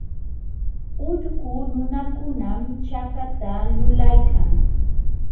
Ullqu nunakunam chakata lulaykan.